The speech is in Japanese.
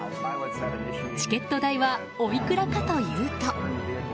チケット代はおいくらかというと。